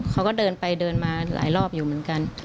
เขาก็เดินไปเดินมาหลายรอบอยู่เหมือนกัน